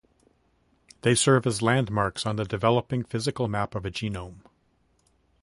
They serve as landmarks on the developing physical map of a genome.